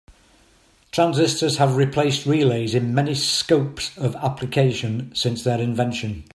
Transistors have replaced relays in many scopes of application since their invention.